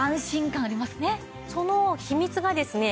その秘密がですね